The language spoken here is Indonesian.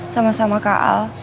sama sama kak al